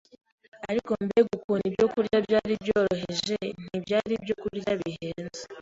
Ariko mbega ukuntu ibi byokurya byari byoroheje! Ntibyari ibyokurya bihenze